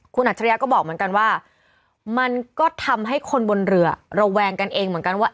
คุณอัจฉริยะก็บอกเหมือนกันว่ามันก็ทำให้คนบนเรือระแวงกันเองเหมือนกันว่า